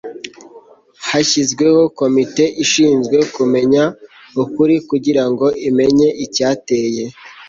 hashyizweho komite ishinzwe kumenya ukuri kugira ngo imenye icyateye